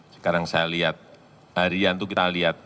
sekarang saya lihat harian itu kita lihat